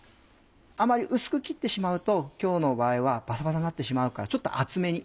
あまり薄く切ってしまうと今日の場合はバサバサになってしまうからちょっと厚めに。